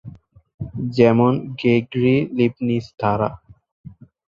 যেমন গ্রেগরি-লিবনিৎজ ধারা।